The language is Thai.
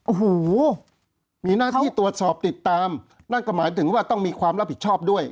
โอ้โหมีหน้าที่ตรวจสอบติดตามนั่นก็หมายถึงว่าต้องมีความรับผิดชอบด้วย